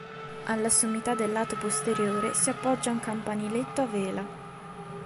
Alla sommità del lato posteriore si appoggia un campaniletto a vela.